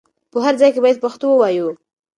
په هر ځای کې بايد پښتو ووايو.